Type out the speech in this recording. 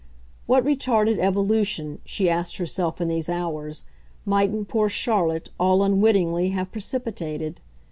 What retarded evolution, she asked herself in these hours, mightn't poor Charlotte all unwittingly have precipitated?